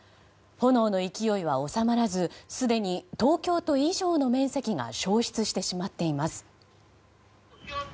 炎の勢いは収まらずすでに東京都以上の面積が焼失してしまっています。